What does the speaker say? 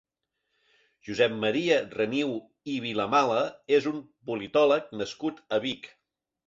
Josep Maria Reniu i Vilamala és un politòleg nascut a Vic.